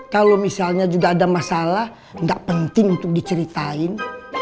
kalau misalnya juga ada masalah nggak penting untuk diceritain